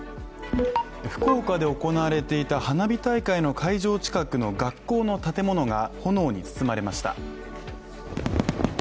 福岡で行われていた花火大会の会場近くの学校の建物が炎に包まれました。